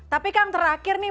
tapi kang terakhir nih